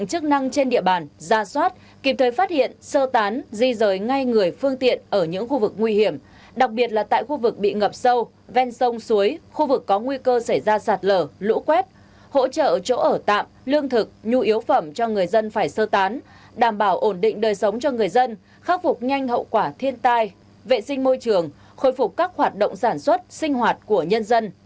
chức năng trên địa bàn gia soát kịp thời phát hiện sơ tán di rời ngay người phương tiện ở những khu vực nguy hiểm đặc biệt là tại khu vực bị ngập sâu ven sông suối khu vực có nguy cơ xảy ra sạt lở lũ quét hỗ trợ chỗ ở tạm lương thực nhu yếu phẩm cho người dân phải sơ tán đảm bảo ổn định đời sống cho người dân khắc phục nhanh hậu quả thiên tai vệ sinh môi trường khôi phục các hoạt động sản xuất sinh hoạt của nhân dân